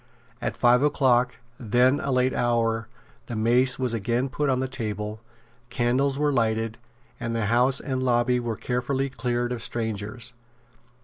At five o'clock, then a late hour, the mace was again put on the table; candles were lighted; and the House and lobby were carefully cleared of strangers.